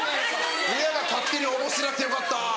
親が勝手に応募しなくてよかった。